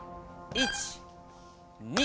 １２。